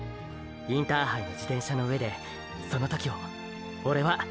インターハイの自転車の上でその時をオレは！！